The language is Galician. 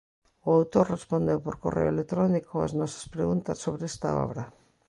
O autor respondeu por correo electrónico as nosas preguntas sobre esta obra.